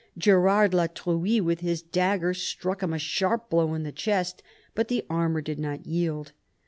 Gerard la Truie with his dagger struck him a sharp blow on the chest, but the armour did not yield.